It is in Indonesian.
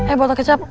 eh botol kecap